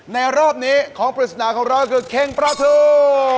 ในรอบนี้ของพิษนาของเราคือเข่งประถู